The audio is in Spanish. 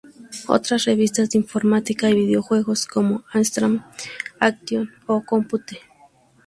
Otras revistas de informática y videojuegos, como "Amstrad Action" o "Compute!